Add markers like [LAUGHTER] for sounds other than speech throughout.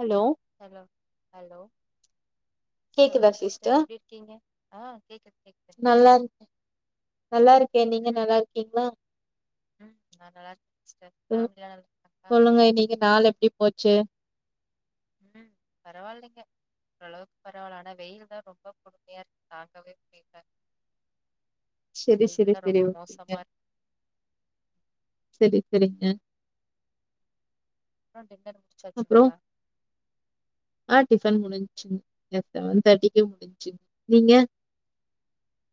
Allow hello hello சொல்லுங்க sister எப்டி இருக்கீங்க ஆ கேக்குது கேக்குது நல்லா கேக்குது நல்லாருக்கே நீங்க ம் நல்லாருக்கீங்ளா ம் நா நல்லா இருக்கே சிஸ்டர் ஃபேமிலிலா நல்லா இருக்காங்களா சொல்லுங்க இன்னக்கு நாள் எப்டி போச்சு பரவால்லங்க ஓரளவுக்கு பரவால்லா வெயில் தா ரொம்ப கொடுமையா இருக்கு தாங்கவே முடில செரி செரி செரி ஓகேங்க மோசமா இருக்கு செரி செரிங்க அப்றோ டின்னர் அப்றோ முடிச்சாச்சுங்ளா ஆ டிஃபன் முடிஞ்ச்சுங்க ஏ செவன் தேர்ட்டிக்கே முடிஞ்ச்சுங்க நீங்க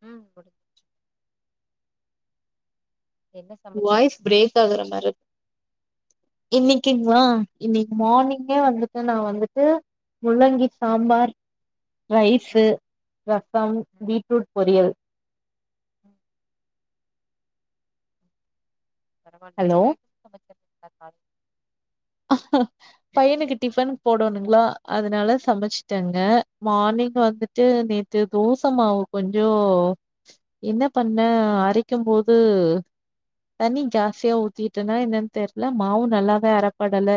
ம் முடிஞ்சி என்ன சமைச்சீங்க வாய்ஸ் பிரேக் ஆகுற மாரிக்கு இன்னைக்குங் வா இன்னைக்கு மார்னிங்கே வந்துட்டு நா வந்துட்டு முள்ளங்கி சாம்பார் ரைஸு ம் ரசம் ம் பீட்ரூட் பொரியல் ம் பரவால்ல ஹலோ இந்தன ஐடம் [UNINTELLIGIBLE] பையனுக்கு டிஃபன் போடனுுங்களா அதனால சமைச்சட்டங்க மார்னிங் வந்துட்டு நேத்து தோச மாவ் கொஞ்சோ என்ன பண்ண அரைக்கும்போது தண்ணி ஜாஸ்தியா ஊத்திட்டனா என்னன்னு தெரியல மாவு நல்லாவே அறப்படல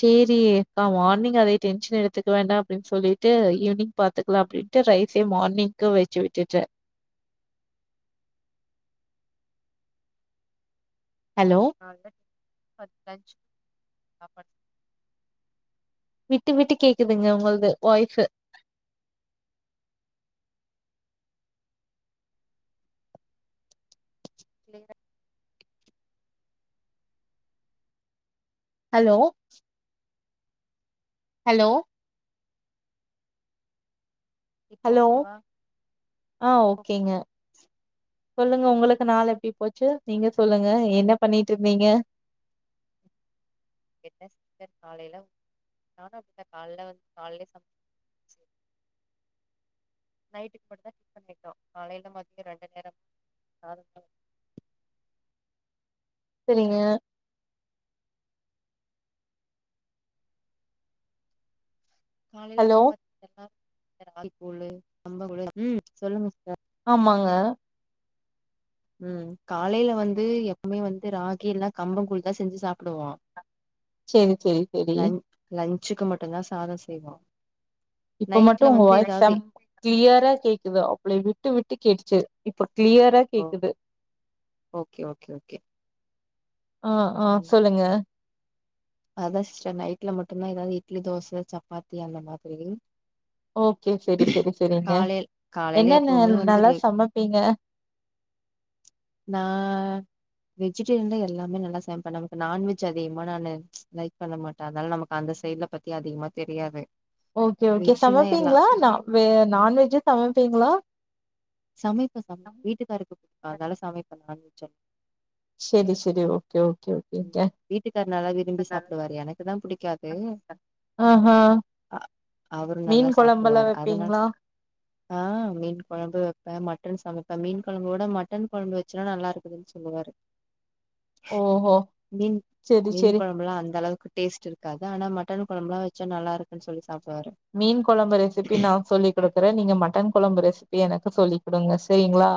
சேரி நா மார்னிங் அதே டென்ஷன் எடுத்துக்க வேண்டா அப்டின் சொல்லீட்டு ஈவினிங் பாத்துக்லா அப்டின் ட்டு ரைசே மாரினிங்கு வெச்சு விட்டுட்டே ஹலோ [INAUDIBLE] விட்டு விட்டு கேக்குதுங்க உங்கள்து வாய்சு க்ளிரா ஹலோ ஹலோ இப்ப ஹலோ ஓகே வா ஆ இப்ப ஓகேங்க. [INAUDIBLE] சொல்லுங்க உங்களுக்கு நாள் எப்டி போச்சு நீங்க சொல்லுங்க என்ன பண்ணிட்ருந்தீங்க என்ன செஞ்ச காலைல நானு அப்டி தா கால்ல வந்து கால்லே சம [INAUDIBLE] நைட்டுக்கு மட்டு தா டிஃபன் கேட்டோ காலைல மத்யோ ரெண்டு நேர சாதந்தா செரிங்க காலைல ஹலோ வந்து பாத்திங்கன்னா ராய்கூழு கம்பங்கூழு [INAUDIBLE] ம் சொல்லுங்க சிஸ்டர் ஆமாங்க ம் காலைல வந்து எப்வ்மே வந்து ராகி இல்ல கம்பங்கூல் தா செஞ்சு சாப்பிடுவோ செரி செரி செரி ச்சுக்கு மட்டுந்தா சாத செய்வோ இப்ப மட்டு நைட்ல உங்க வந்து வாய்ஸ் ஏதாவது செம் க்ளியரா கேக்குது அப்லே விட்டு விட்டு கேட்டுச்சு இப்ப க்ளியரா ஓ கேக்குது ஓகே ஓகே ஓகே ஆ ஆ சொல்லுங்க அதா சிஸ்டர் நைட்ல மட்டுந்தா ஏதாவ்து இட்லி தோச சப்பாத்தி அந்த மாத்ரி ஓகே செரி செரி செரிங்க காலையில என்னன்ன எப்பவுமே வந்து நல்லா சமப்பீங்க நா வெஜிடேரின்ல எல்லாமே நல்லா சமைப்பே நமக்கு நான்வெஜ் அதிகமா நானு லைக் பண்ண மாட்ட அதனால நமக்கு அந்த சை ட்ல பத்தி அதிகமா தெரியாது ஓகே ஓகே வெஜ்ஜுனா எல்லா சமப்பீங்ளா நா வே நான்வெஜ்ஜே சமப்பீங்ளா சமைப்பே சமை [INAUDIBLE] வீட்டுக்காருக்கு [INAUDIBLE] அதனால சமைப்பே நான்வெஜ்ஜே செரி செரி ஓகே ஓகே ம் ஓகேங்க வீட்டுக்காரு நல்லா விரும்பி சாப்டுவாரு எனக்குதா புடிக்காது [INAUDIBLE] ஆ ஆ அ அவரு நல்லா சாப்டுவாரு அதனா [INAUDIBLE] ஆ மீன் கொழம்பு வெப்பே மட்டன் சமைப்பே மீன் கொழம்பவுட மட்டன் கொழம்பு வெச்சன்னா நல்லாருக்குதுன் சொல்லுவாரு ஓஹோ! மீன் சரி, மீன் சரி. கொழம்பெல்லா அந்தளவுக்கு டேஸ்ட் இருக்காது ஆனா ம ட்டன் கொழம்பெல்லா வெச்சா நல்லாருக்குன் சொல்லி சாப் மீன் கொழம்பு ரெசிபி நா சொல்லிக் குடுக்குறே நீங்க மட்டன் கொழம்பு ரெசி பி எனக்கு சொல்லி குடுங்க செரிங்ளா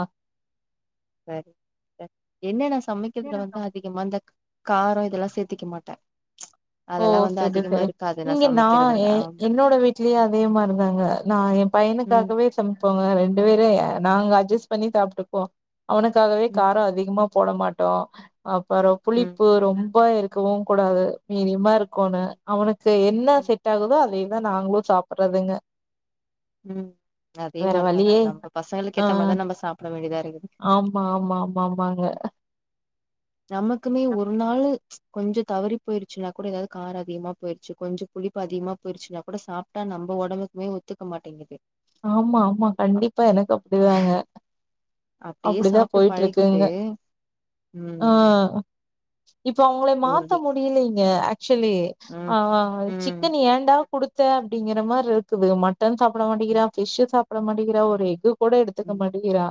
சேர் என்ன நா சமைக்கிறதுல வந்து அதிகமா இந்த காரோ இதெல்லா சேத்திக்க மாட்டே ஓ அதெல்லா வந்து செரி அதிகமா செரி இருக்காது இங்க நா எ சமைக்கிறதுல ஆமா என்னோட வீட்லயே அதே மாரிதாங்க நா எ ம் பைய்னுக்காகவே சமைப்போங்க ரெண் ண்டு பேரு நாங்க அஜ்ஜஸ் பண்ணி சாப்ட்டுக்குவோ அவனுக்காகவே ம் காரோ அதிகமா போட மாட்டோ அப்பறோ ம் புளிப்பு ரொம்ப இருக்கவு கூடாது மீடிமா இருக்கோனு அவனுக்கு என்ன ம் செட் ஆகுதோ அதேதா நாங்ளு சாப்பிடறதுங்க ம் அதே மாரிதாங்க வழியே நம்ம பசங்களுக்கு ஆ ஏத்த மாரிதா நம்ம சாப்பிட வேண்டியதா இருக்குது ஆமா ஆமா ஆமாமாங்க நமக்குமே ஒரு நாளு கொஞ்ச தவறி போயிருச்சுனா கூட எதாவ்து கார அதிகமா போயிருச்சு கொஞ்ச புளிப்பு அதிகமா போயிருச்சுனா கூட சாப்ட்டா நம் ப ஒடம்புக்குமே ஒத்துக்க மாட்டேங்குது ஆமா ஆமா அப் கண்டிப்பா எனக்கு அப்டிதாங்க அப்டியே சாப்ட்டு பழக்கிட்டு ஆ ம் இப்ப அவ்ங்கள மாத்த ஊருடி முடியலைங்க ஆக்சுவலி ம் ஆ ஆ ம் சிக்கன் ஏன்டா குடுத் தே அப்டிங்கிற மார்ருக்குது மட்டன் சாப்ட ம் மாட்டிக்கிறா ஃபிஷ்ஷு சாப்ட மாட்டிக்கிறா ஒரு எக்கு கூட எடுத்துக்க ம் மாட்டிக்கிறா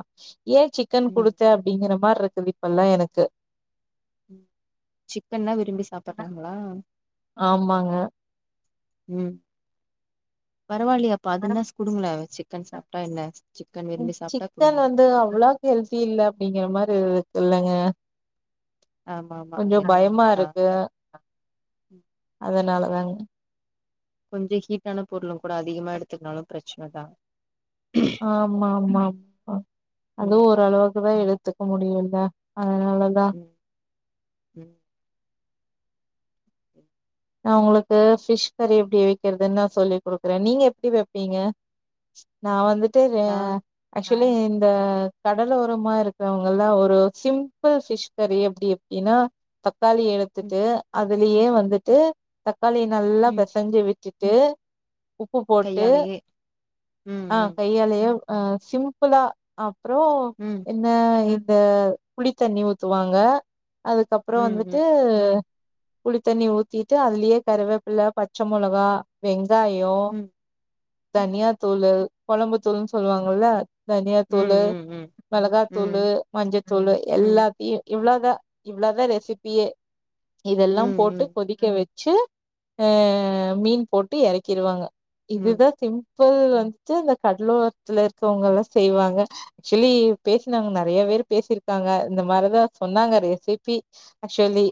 ஏ சிக்கன் ம் குடுத்த அப்டிங்கிற மார்ருக்குது இப்பெல்லா எனக்கு சிக்கன்னா விரும்பி சாப்புட்றாங்ளா ஆமாங்க ம் பரவால்லயே அப்ப அதுனாசு குடுங்ளே சிக்கன் சாப்ட்டா என்ன சிக்கன் அ விரும்பி சாப்ட்டா சிக்கன் குடுங்க வந்து அவ்ளோக்கு ஹெல்த்தி இல்ல அப்டிங்கிற மாரி இருக்குல்லங்க ஆமா ஆமா அது கொஞ்சொ என்னவோ பயமா உண்மதா இருக்கு அதனால வாங்க கொஞ்ச ஹீட்டான பொருளு கூட அதிகமா எடுத்துக்னாலு பிரச்சனதா ஆமாம்மாம் ஆ அதுவு ம் ஓரளவுக்குதா எடுத்துக்க முடியுல்ல அதனாலதா ம் ம் நா ஒங்களுக்கு ஃபிஷ் கறி எப்டி வெக்கிறதுன் நா சொல்லி் குடுக்குறே நீங்க எப்டி வெப்பீங்க நா வந்துட்டு ரெ ஆ நா அஷ் க்சுவலி இந்த கடலோரமா இருக்கிறவ்ங்கள்லா ஒரு சிம்பிள் ஃபிஷ் கறி எப்டி அப்டினா அ தக்காளி ம் எடுத்துட்டு அதுலயே வந்துட்டு தக்காளி நல்லா ம் பெசஞ்சு விட் டுட்டு உப்பு போட்டு கையாலயே ம் ஆ ம் கையாலயே அ சிம்பிளா அப்றோ ம் என்ன இப் இந்த புளி தண்ணி ஊத்துவாங்க அதுக்கப்றோ ம் வந்துட்டு ம் புளித்தண்ணி ஊத்திட்டு அதுலயே கருவேப்பில பச்ச மொளகா வெங் காய ம் ம் தனியா தூளு கொழம்புத் தூளுன் சொல்லுவாங்கல்ல தனியா ம் தூளு ம் ம் ம் ம் மெளகாத்தூளு மஞ்சத்தூளு ம் எல்லாத்தையு இவ்ளவ் தா இவ்ளோதா ரெசிபியே இதெல்லாம் போட்டு ம் க்க வெச்சு அ மீன் போட்டு எறக்கிருவாங்க ம் இதுதா சிம் ப்பள் வந்துட்டு இந்த கடலோரத்துல இருக்கவ்ங்களா செய்வாங்க ஆக்சுவலி பேசினவ்ங்க நெறையவே வேரு பேசிருக்காங்க இந்த மாரிதா சொன்னாங்க ரெசிபி ஆக்சுவலி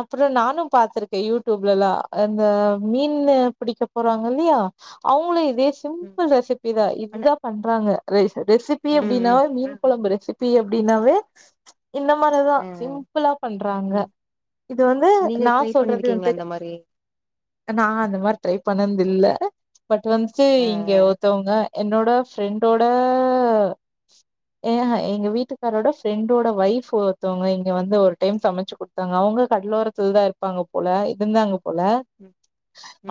அப்றோ நானு பாத்துருக்கே யூட்டூப்லெல்லா ம், இந்த மீனு பிடிக்க போறாங்க இல்லையா அவ்ங்களு இத் தே ம். சிம்பிள் ரெசிபி தா ஆனா இதுதா பண்றாங்க ரைசு ரெசிபி ம் ம் அப்டின்னாவே மீன் கொழம்பு ரெசிபி அப்படின்னாவே இந்த மாரிதா ஆ சிம்பிளா பண்றாங்க ம் இது வந்து நீங்க ட்ரை பண்ணிருக்கீங்ளா இந்த மாரி அ நா அந்த மாரி ட்ரை பண்ணன்தில்ல பட் வந்துட்டு ஆ இங்க ஆ ஒருத்தவ்ங்க என்னோட ஃப்ரெண்டோட ஏ எங்க வீட்டுக்காரோட ஃப்ரெண்டோட ஒய்ஃப் ஒருத்தவ்ங்க இங்க வந்து ஒரு டைம் சமச்சு குட்த்தாங்க அவ்ங்களு கட்லோர த்தில்தா இருப்பாங்க போல இருந்தாங்க போல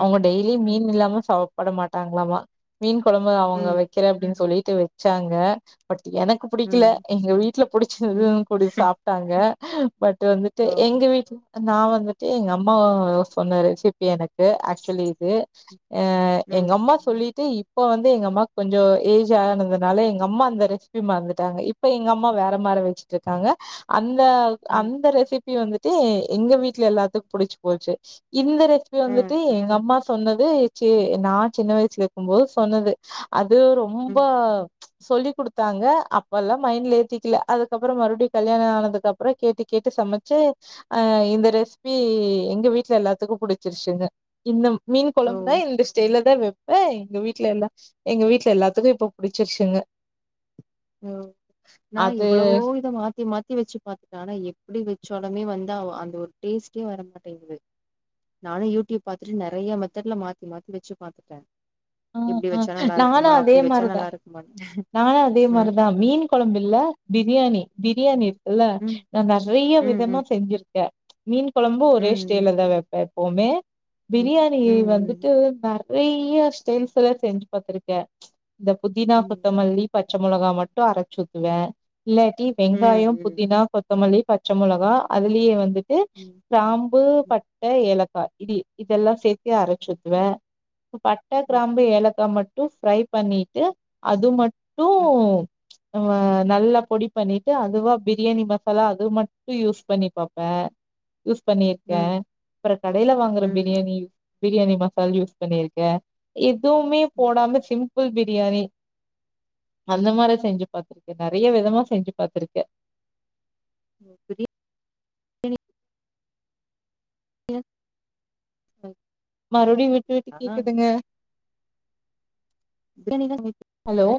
அவ்ங்க டெய்லி மீன் இல்லாம சவப்பட மாட்டாங்ளாமா மீன் கொழம்பு அவுங்க ம் வெக்கிறே அப்டின் சொல்லிட் ட்டு வெச்சாங்க பட் எனக்கு புடிக்கல ம் எங்க வீட்ல ம் புடிச்சுருந்தன்னு கூட சாப்ட்டாங்க பட் வந்துட்டு ஓ எங்க வீட்ல நா வந்துட்டு எங்க அம்மா சொன்ன ரெசிபி எனக்கு ஆக்சுவலி இது ஏ ம் எங்கம்மா சொல்லிட்டு இப் இப்ப வந்து எங்கம்மாக்கு கொஞ்ச ஏஜ் ஆனதுனால எங்கம்மா அந்த ரெசிபி மறந்துட்டாங்க இப்ப எங்கம்மா வேற மார் ர வெச்சுட்ருக்காங்க அந்த ம் அந்த ரெசிபி வந்துட்டு எங்க வீட்ல எல்லாத்துக்கு புடிச்சு போச்சு இந்த ரெசிபி வந்துட்டு ம் எங்க அம்மா சொன்னது சே நா சின்ன வயசுல இருக்கும்போது சொன்னது அது ரொம்ப ம் சொல்லி குடுத்தாங்க அப்பெல்லா மைண்ட்ல ஏத்திக்கல அதுக்கப்புறோ மறுபடியு கல்யாணோ ஆனதுக்கு அப்றோ கேட்டு கேட்டு கேட்டு சமச்சு அ இந்த ரெசிபி எங்க வீட்ல எல்லார்த்துக்கு பிடிச்சிருச்சுங்க இன்னு மீன் ஓ கொழம்புனா இந்த ஸ்டைய்ல தா வெப்ப எங்க வீட்ல எல்லா எங்க வீட்ல எல்லாத்துக்கும் இப்ப புடிச்சிருச்சுங்க ஓ நா அது எவ்வளோவோ இத மாத்தி மாத்தி த்தி வெச்சு பாத்துட்டா ஆனா எப்டி வெச்சாலுமே வந்து அந்த ஒரு டேஸ்ட்டே வரமாட்டேங்குது நானு யூடியூப்ல பாத்துட்டு நெறைய மெத்தட்ல மாத்தி மாத்தி வெச்சு பாத்துட்டே ம் இப்டி ம் வெச்சா நல்லா நானு இருக்குமா அதே அப்டி வெச்சா நல்லா மாரிதான். இருக்குமா நானு அதே மாரிதா மீன் கொழம்பு இல்ல பிரியாணி பிரியாணி இருக்குல்ல ம் நா நெறையா ம் விதமா ம் செஞ்சிருக்கே மீன் கொழம்பு ஒரே ம் ம் ஸ்டேல்ல தா வைப்பே எப்பவுமே ம் பிரியாணி ம் வந்துட்டு நா நெறைய ஸ்டைல்ஸ்ல்லா செஞ்சு பாத்திருக்கே இந்த புதினா ம் கொத்தமல்லி பச் பச்சமொளகா மட்டு அரச்சூ ஊத்துவே இல்லாட்டி ம் ம் வெங்காயோ ம் புதினா கொத்தமல்லி பச்சமொளகா அதுலயே வந்துட்டு ம் கிராம்பு பட்ட ஏலக் கா இது இதெல்லா சேர்த்தி அரச்சுத்துவே பட்டா கிராம்பு ஏலக்காய் மட்டு ட்டு ஃப்ரை பண்ணிட்டு அது மட்டு ம் அ நல்லா பொடி பண்ணிட்டு அதுவா பிரியாணி மசாலா அது மட்டு யூஸ் பண்ணி பாப்ப யூஸ் ம் பண்ணியிருக்க ம் ம் ம் ம் ம் ம் அப்றோ கடையில வாங்குற பிரியாணி பிரியாணி மசால் யூஸ் பண்ணிருக்கே எதுவுமே போடாம சிம்பிள் பிரியாணி அந்த மாரி செஞ்சு பாத்திருக்கே நெறைய விதமா செஞ்சு பாத்திருக்கே [UNINTELLIGIBLE] [UNINTELLIGIBLE] மறுபடியு விட்டு விட்டு ஆ கேக்குதுங்க பிரியாணி ஹலோ தா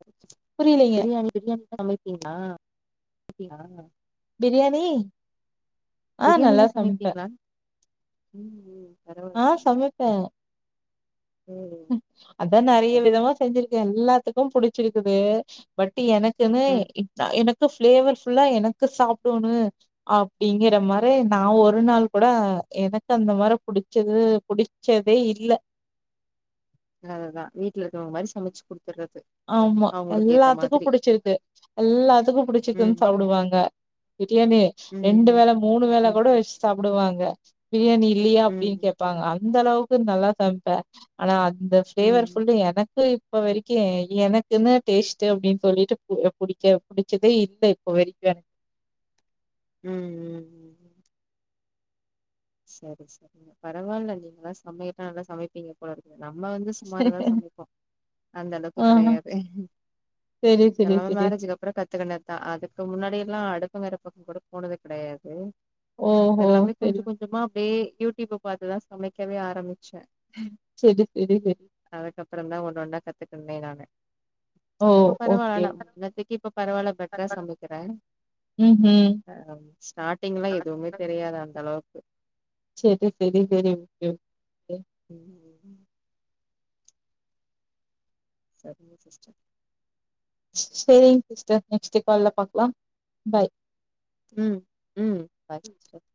[UNINTELLIGIBLE] புரியலைங்க. பிரியாணி பிரி சமைப்பிங்ளா அப்டியா பிரியாணி அ நல்லா பிரியாணிலா சமைப்ப சமைப்பீங்களா ம் ம் அ பரவாயில்லைங்க சமைப்ப ம் அதா நெறைய சரி விதமா சரி செஞ்சிருக்கே எல்லாத்துக்கு புடிச்சிருக்குது பட் பட் எனக்குன்னு ம் எனக்கு பிளேவர்புல்லா எனக்கு சாப்டோனு அப்டிங்கற ம் மாற நா ஒரு நாள் கூட எனக்கு அந்த மாரி புடிச்சது புடிச்சதே இல்ல அததா வீட்ல இருக்கிறவங்க மாரி சமச்சு குடுத்து ஆமா எல்லாத்துக்கு புடிச்சிருக்கு எல்லாத்துக்கு ம் புடிச்சிருக்குன்னு சாப்டுவாங்க பிரியாணி ம் ரெண்டு ம் வேல மூணு வேல ம் கூடா வெச்சு சாப் டுவாங்க பிரியாணி இல்லியா அப்டின்னு ம் கேப்பாங்க அந்த அளவுக்கு நல்லா ம் சமைப்பே ஆனா இந்த ஃப்ளேவர் ம் ஃபுல்லு எனக்கு இப்ப வரைக்கு எனக்குன்னு டேஸ்ட்டு அப்டின்னு சொல்லிட்டு புடிக்க பிடிச்சதே இல்ல இப்ப வரைக்கு எனக்கு ம் ம் செரி செரி பரவாயில்ல நீங்க தா சமையல்லி நல்லா சமைப்பீங்க போல இருக்கு நம்ம வந்து சுமாரதா சமைப்போ அந்த அளவுக்கு ஆஹ கெடையாது செரி இது செரி எல்லாமே செரி மேரேஜக்கு அப்றோ கத்துக்கிண்னது தா அதுக்கு முன்னாடியெல்லா அடுப் பாங்கற பக்கோ கூட போனது கெடையாது ஓ ஓ எல்லாமே கொஞ்ச செரி கொஞ்சமா அப்டியே யூடியூப் பாத்துதா சமைக்கவே ஆரம்பிச்ச செரி செரி செரி அப்றோ தா ஒன்னு ஒன்னா கத்துட்டு இருந்தே நானு ஓ இப்ப பரவாயில்ல ஓகே ஆனா முன்னத்திக்கு இப்ப பரவாயில்ல பெட்டரா சமைக்கிறே ம்ஹும் ஹகம் ஸ்டார்டிங்கெல்லா எதுவுமே தெரியாது அந்த அளவுக்கு செரி செரி தெரியும் ஆ உகுகும் செரிங்க சிஸ்டர் செரிங் சிஸ்டர் நெக்ஸ்டு கால்ல பாக்கலாம் பாய் உம் உம் பாய் சிஸ்டர்